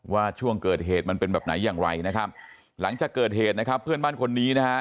ช่วงเกิดเหตุมันเป็นแบบไหนอย่างไรนะครับหลังจากเกิดเหตุนะครับเพื่อนบ้านคนนี้นะฮะ